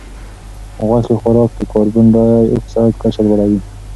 غوښې خوراک د کاربن ډای اکسایډ کچه لوړوي.